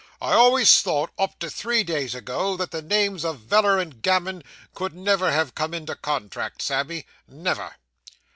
I always thought, up to three days ago, that the names of Veller and gammon could never come into contract, Sammy, never.